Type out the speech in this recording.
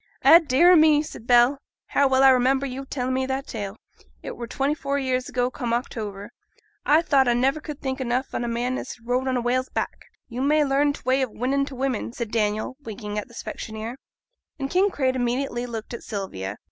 'Eh dear a' me!' said Bell, 'how well I mind yo'r telling me that tale! It were twenty four year ago come October. I thought I never could think enough on a man as had rode on a whale's back!' 'Yo' may learn t' way of winnin' t' women,' said Daniel, winking at the specksioneer. And Kinraid immediately looked at Sylvia.